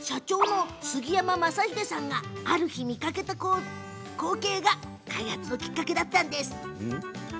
社長の杉山匡秀さんがある日、見かけた光景が開発のきっかけでした。